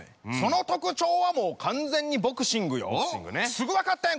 すぐ分かったやん